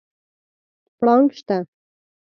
پړانګ شته؟